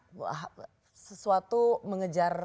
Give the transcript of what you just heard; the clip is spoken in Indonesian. setuju yang dikhawatirkan adalah kita sesuatu mengejar